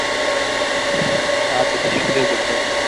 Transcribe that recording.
A petición del Dr.